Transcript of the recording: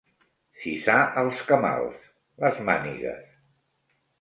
Cisar els camals, les mànigues.